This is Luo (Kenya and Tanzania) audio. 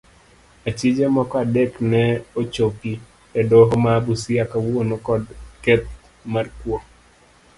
Achije moko adek ne ochopii edoho ma busia kawuono kod keth mar kuo.